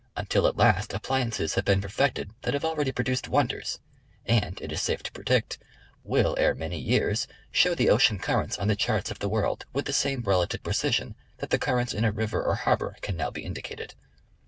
until at last appliances have been perfected that have already produced wonders, and it is safe to predict, will ere many years show the ocean currents on the charts of the world with the same relative precision that the currents in a river or harbor can now be indicated.